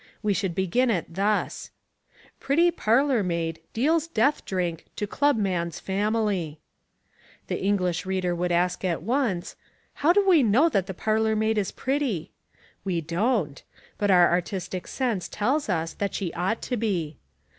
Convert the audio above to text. We should begin it thus: PRETTY PARLOR MAID DEALS DEATH DRINK TO CLUBMAN'S FAMILY The English reader would ask at once, how do we know that the parlor maid is pretty? We don't. But our artistic sense tells us that she ought to be.